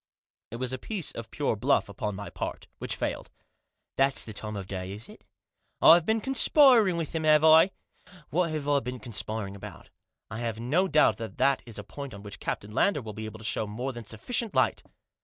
It was a piece of pure bluff upon my part, which failed. "Thafs the time of the day, is it? I've been conspiring with him, have I? What have I been conspiring about ?" "I have no doubt that that is a point on which Captain Lander will be able to show more than sufficient light."